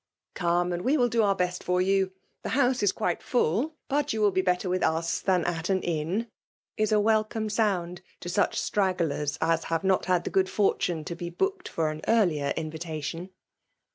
" Come, and ^e • wjli do'oor best for you; the house is qinte vfnll, but yott will be better with us thttn at sta I ixm/^ is a welbome sound to such stragglers Plb ^lilnrernot had the good fbrtnne to be booked .: iur au' eartte^ invitation.